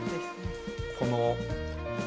この。